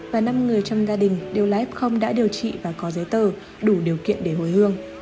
và năm người trong gia đình đều là f đã điều trị và có giấy tờ đủ điều kiện để hồi hương